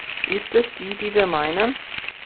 Ist es die, die wir meinen?